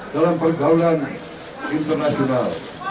dalam pergaulan internasional